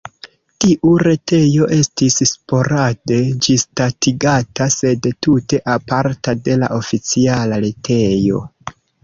Tiu retejo estis sporade ĝisdatigata, sed tute aparta de la oficiala retejo.